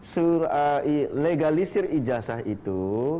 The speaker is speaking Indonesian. surat legalisir ijazah itu